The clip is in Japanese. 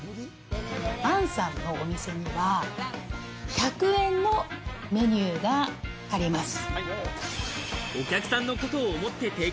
ＶＡＮＳＡＮのお店には１００円のメニューがあります。